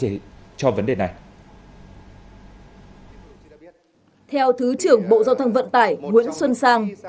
theo thứ trưởng bộ giao thông vận tải nguyễn xuân sang